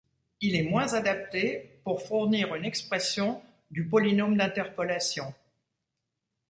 Il est moins adapté pour fournir une expression du polynôme d'interpolation.